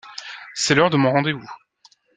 C’est l’heure de mon rendez-vous.